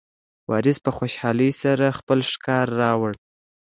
وارث په خوشحالۍ سره خپله ښکار راوړ.